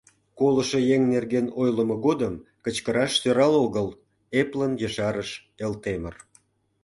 — Колышо еҥ нерген ойлымо годым кычкыраш сӧрал огыл, — эплын ешарыш Элтемыр.